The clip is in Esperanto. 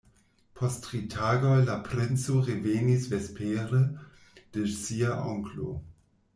Post tri tagoj la princo revenis vespere de sia onklo.